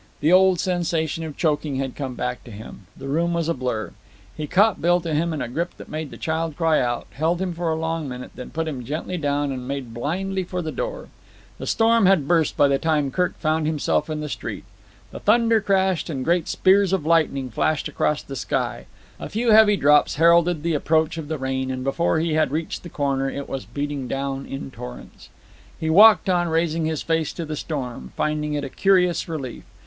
The old sensation of choking had come back to him. The room was a blur. He caught Bill to him in a grip that made the child cry out, held him for a long minute, then put him gently down and made blindly for the door. The storm had burst by the time Kirk found himself in the street. The thunder crashed and great spears of lightning flashed across the sky. A few heavy drops heralded the approach of the rain, and before he had reached the corner it was beating down in torrents. He walked on, raising his face to the storm, finding in it a curious relief.